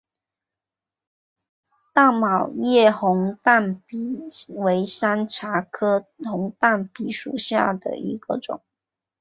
倒卵叶红淡比为山茶科红淡比属下的一个种。